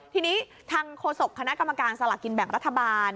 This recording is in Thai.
ทีนี้ทางโฆษกคณะกรรมการสลากกินแบ่งรัฐบาล